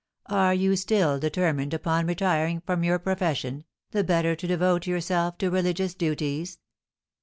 Are you still determined upon retiring from your profession, the better to devote yourself to religious duties?"